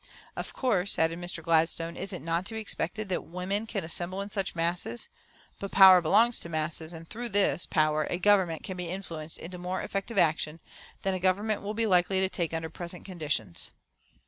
"Of course," added Mr. Gladstone, "it is not to be expected that women can assemble in such masses, but power belongs to masses, and through this power a Government can be influenced into more effective action than a Government will be likely to take under present conditions."